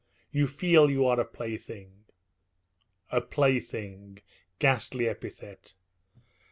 You feel you are a plaything. A plaything ghastly epithet!